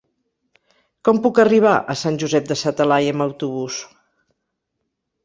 Com puc arribar a Sant Josep de sa Talaia amb autobús?